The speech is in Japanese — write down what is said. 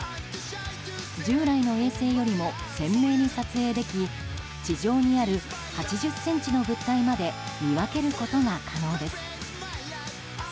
従来の衛星よりも鮮明に撮影でき地上にある８０ｃｍの物体まで見分けることが可能です。